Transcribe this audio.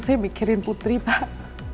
saya mikirin putri pak